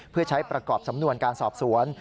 เพื่อใช้ประกอบสำนวนการสอบสวน